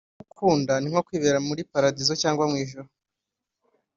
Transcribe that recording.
Kugukunda ni nko kwibera muri paradizo cyangwa mu ijuru